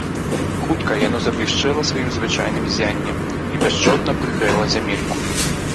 Хутка яно заблішчэла сваім звычайным ззяннем і пяшчотна прыгрэла зямельку.